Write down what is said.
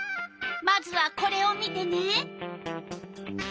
まずはこれを見てね。